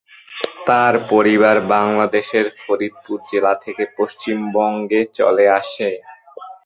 তার পরিবার বাংলাদেশের ফরিদপুর জেলা থেকে পশ্চিমবঙ্গে চলে আসে।